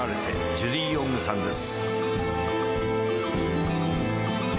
ジュディ・オングさんです。